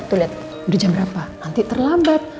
tuh lihat udah jam berapa nanti terlambat